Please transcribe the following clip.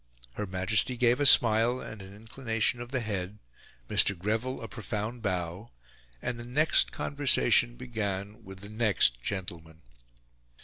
Her Majesty gave a smile and an inclination of the head, Mr. Greville a profound bow, and the next conversation began with the next gentleman.